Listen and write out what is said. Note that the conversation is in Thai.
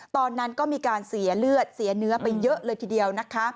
ตอนนั้นก็มีการเสียเลือดเสียเนื้อไปเยอะเลยทีเดียวนะคะ